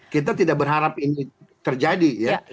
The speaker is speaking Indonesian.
kita tidak berharap ini terjadi ya